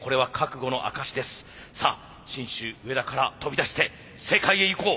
さあ信州上田から飛び出して世界へ行こう。